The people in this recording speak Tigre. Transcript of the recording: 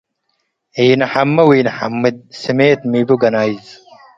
ኢነሐሜ ወኢነሐምድ - ስሜት ሚቡ ገናይዝ